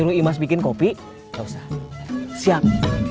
dulu imas bikin kopi gak usah siap